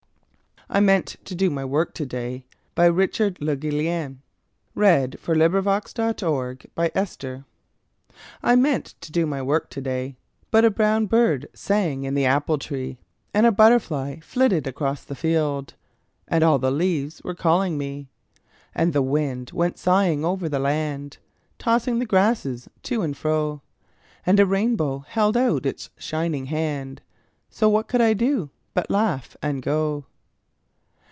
that yonder is New York, And here such silence and the moon. "I MEANT TO DO MY WORK TO DAY" I meant to do my work to day But a brown bird sang in the apple tree, And a butterfly flitted across the field, And all the leaves were calling me. And the wind went sighing over the land, Tossing the grasses to and fro, And a rainbow held out its shining hand So what could I do but laugh and go?